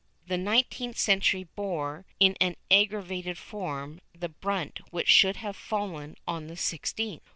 The nineteenth century bore, in an aggravated form, the brunt which should have fallen on the sixteenth.